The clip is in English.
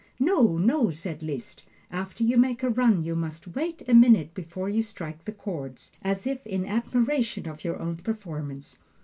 "No, no," said Liszt; "after you make a run you must wait a minute before you strike the chords, as if in admiration of your own performance.